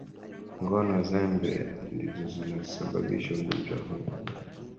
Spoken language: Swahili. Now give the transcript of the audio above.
ngono zembe ndizo zinazosababisha ugonjwa huu